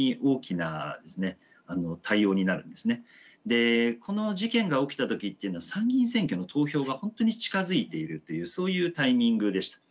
でこの事件が起きた時っていうのは参議院選挙の投票が本当に近づいているというそういうタイミングでした。